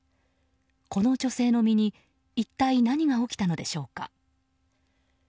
この女性の身に一体何が起きたのでしょうか。